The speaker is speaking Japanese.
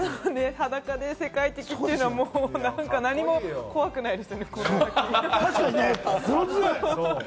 裸で世界的にって何も怖くないですよね。